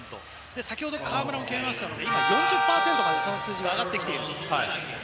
先ほど河村が決めましたので４０％まで数字が上がってきています。